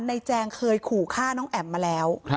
แจงเคยขู่ฆ่าน้องแอ๋มมาแล้ว